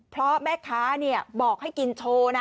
เพราะแม่ค้าบอกให้กินโชว์นะ